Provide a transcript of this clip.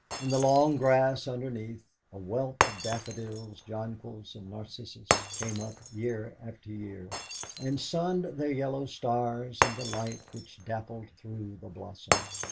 In the long grass, underneath, a wealth of daffodils, jonquils, and narcissus, came up year after year, and sunned their yellow stars in the light which dappled through the blossom.